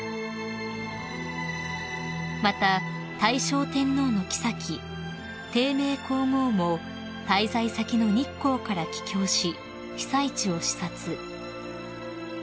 ［また大正天皇のきさき貞明皇后も滞在先の日光から帰京し被災地を視察］